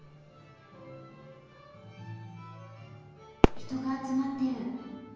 ・人が集まってる。